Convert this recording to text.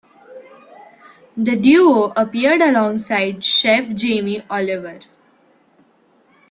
The duo appeared alongside chef Jamie Oliver.